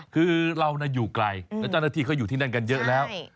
คือเราอยู่ไกลแล้วเจ้าหน้าที่เขาอยู่ที่นั่นกันเยอะแล้ว